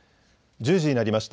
１０時になりました。